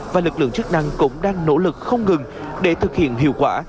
và lực lượng chức năng cũng đang nỗ lực không ngừng để thực hiện hiệu quả